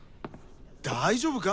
大丈夫か？